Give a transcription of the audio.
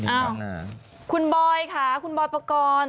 อ้าวคุณบอยค่ะคุณบอยปกรณ์